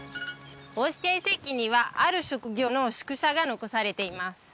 オスティア遺跡にはある職業の宿舎が残されています